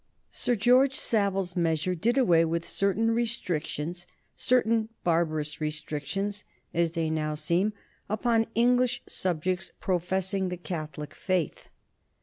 Sir George Savile's measure did away with certain restrictions, certain barbarous restrictions, as they now seem, upon English subjects professing the Catholic faith.